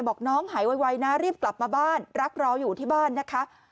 บอกน้องหายไวนะรีบกลับมาบ้านรักรออยู่ที่บ้านนะคะ